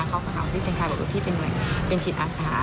เขาก็ทำให้พี่เซ็นไทยเป็นจิตอาสา